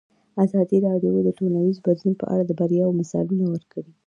ازادي راډیو د ټولنیز بدلون په اړه د بریاوو مثالونه ورکړي.